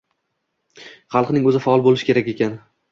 xalqning o‘zi faol bo‘lishi kerak ekan.